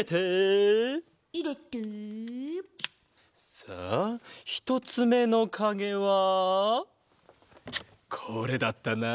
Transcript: さあひとつめのかげはこれだったな。